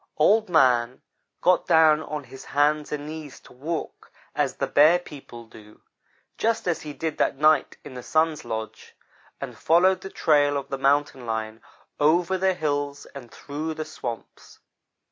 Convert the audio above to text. "Old man got down on his hands and knees to walk as the Bear people do, just as he did that night in the Sun's lodge, and followed the trail of the Mountain lion over the hills and through the swamps.